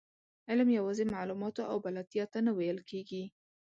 علم یوازې معلوماتو او بلدتیا ته نه ویل کېږي.